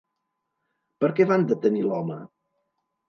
Per què van detenir l'home?